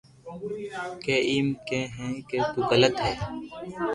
ڪي ايم ڪين ھي ڪي تو غلط ڪي